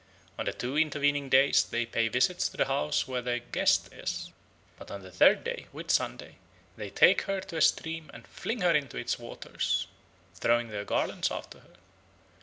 On the two intervening days they pay visits to the house where their 'guest' is; but on the third day, Whitsunday, they take her to a stream and fling her into its waters," throwing their garlands after her.